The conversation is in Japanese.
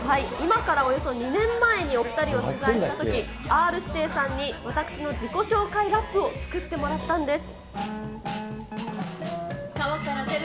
今からおよそ２年前にお２人を取材したとき、Ｒー指定さんに私の自己紹介ラップを作ってもらったんです。